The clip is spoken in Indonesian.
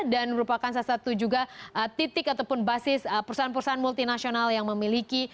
dan merupakan salah satu juga titik ataupun basis perusahaan perusahaan multinasional yang memiliki